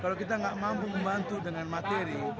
kalau kita nggak mampu membantu dengan materi